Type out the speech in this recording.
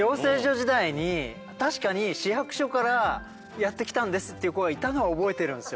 時代に確かに市役所からやって来たんですっていう子がいたのは覚えてるんですよ。